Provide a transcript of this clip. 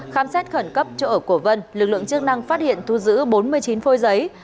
khám xét khẩn cấp chỗ ở của vân lực lượng chức năng phát hiện thu giữ bốn mươi chín phôi giấy